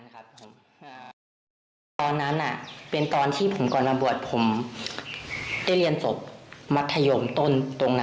กลางคืนก็ไม่ได้ออกไปไหน